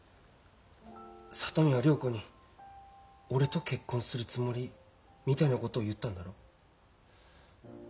里美は良子に俺と結婚するつもりみたいなことを言ったんだろ？